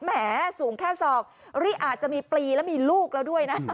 แหมสูงแค่ศอกนี่อาจจะมีปลีแล้วมีลูกแล้วด้วยนะ